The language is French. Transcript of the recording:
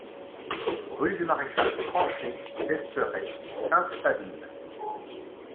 Rue du Maréchal Franchet d'Esperey, Sainte-Savine